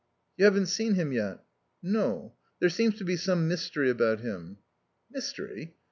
"You haven't seen him yet?" "No. There seems to be some mystery about him." "Mystery?"